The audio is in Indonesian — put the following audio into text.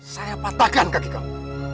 saya patahkan kaki kamu